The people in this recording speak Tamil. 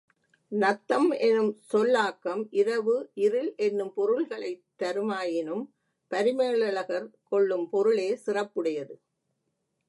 நத்தம் எனும் சொல் ஆக்கம், இரவு, இருள் எனும் பொருள்களைத் தருமாயினும் பரிமேலழகர் கொள்ளும் பொருளே சிறப்புடையது.